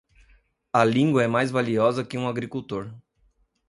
A língua é mais valiosa que um agricultor.